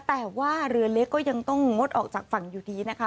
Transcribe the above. แต่ว่าเรือเล็กก็ยังต้องงดออกจากฝั่งอยู่ดีนะคะ